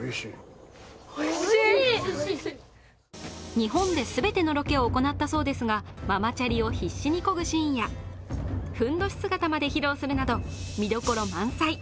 日本で全てのロケを行ったそうですがママチャリを必死にこぐシーンやふんどし姿まで披露するなど見どころ満載。